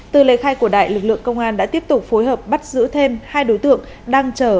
từ lời khai của đại lực lượng công an đã tiếp tục phối hợp bắt giữ thêm hai đối tượng đang chờ